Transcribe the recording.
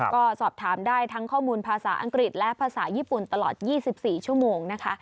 ก็สอบถามได้ทั้งข้อมูลภาษาอังกฤษและภาษาญี่ปุ่นตลอด๒๔ชั่วโมงนะคะ